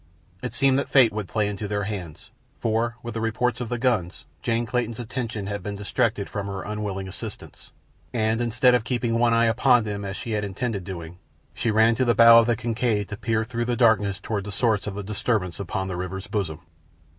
It seemed that fate would play into their hands, for with the reports of the guns Jane Clayton's attention had been distracted from her unwilling assistants, and instead of keeping one eye upon them as she had intended doing, she ran to the bow of the Kincaid to peer through the darkness toward the source of the disturbance upon the river's bosom.